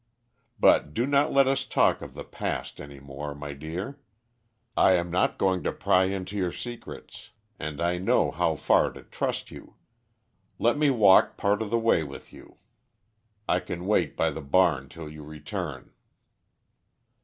But do not let us talk of the past any more, my dear. I am not going to pry into your secrets, and I know how far to trust you. Let me walk part of the way with you. I can wait by the barn till you return."